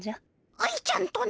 愛ちゃんとな？